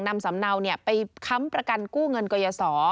สำเนาไปค้ำประกันกู้เงินกยศ